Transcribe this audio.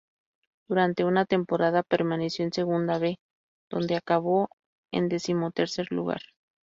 Durante una temporada permaneció en Segunda B, donde acabó en decimotercer lugar.